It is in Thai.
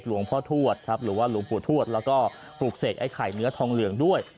หรือว่าหลวงพ่อทวชแล้วก็ปลูกเสกไอ้ไข่เนื้อทองเหลืองด้วย